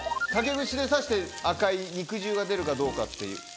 竹串で刺して赤い肉汁が出るかどうかっていう。